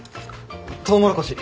トウモロコシ。